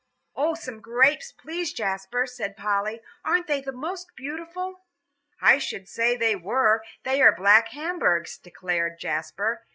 "Oh, some grapes, please, Jasper," said Polly. "Aren't they most beautiful?" "I should say they were; they are black Hamburgs," declared Jasper.